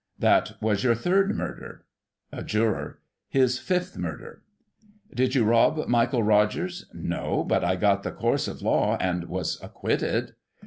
That was your third murder. A Juror: His fifth murder. Did you rob Michael Rogers }— No, but I got the course of law, and was acquitted.